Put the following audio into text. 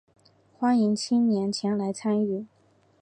欢迎青年前来参与